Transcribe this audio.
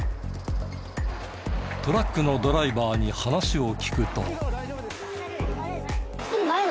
トラックのドライバーに話を聞くと。